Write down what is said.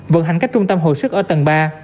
vận hành cách trung tâm hồi sức ở tầng ba